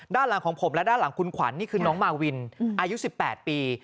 ด้านหลังของผมและด้านหลังคุณขวัญนี่คือน้องมาวินอายุ๑๘ปี